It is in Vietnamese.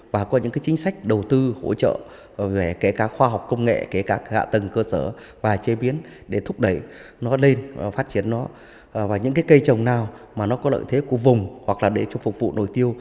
và những cây trồng nào có lợi thế của vùng hoặc để phục vụ nổi tiêu